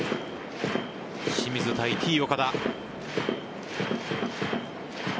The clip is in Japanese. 清水対Ｔ‐岡田。